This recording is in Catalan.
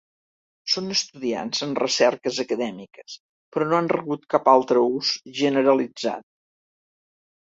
Són estudiats en recerques acadèmiques, però no han rebut cap altre ús generalitzat.